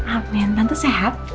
amin tante sehat